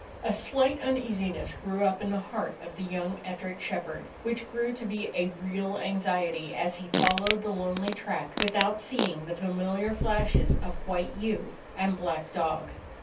A slight uneasiness grew up in the heart of the young Ettrick shepherd, which grew to be a real anxiety as he followed the 80 A DOG OF THE ETTRICK HILLS lonely track without seeing the familiar flashes of white ewe and black dog.